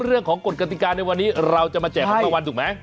เรื่องของกฎกติกาในวันนี้เราจะมาแจกของละวันถูกไหม